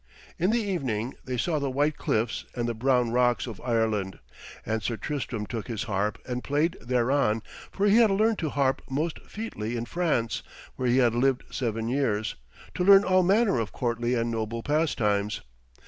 In the evening they saw the white cliffs and the brown rocks of Ireland, and Sir Tristram took his harp and played thereon, for he had learned to harp most featly in France, where he had lived seven years, to learn all manner of courtly and noble pastimes.